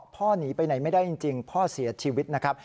หนีไปไหนไม่ได้จริงพ่อเสียชีวิตนะครับ